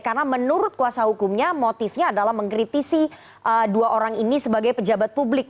karena menurut kuasa hukumnya motifnya adalah mengkritisi dua orang ini sebagai pejabat publik